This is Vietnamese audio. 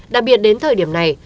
đặc biệt đến thời điểm này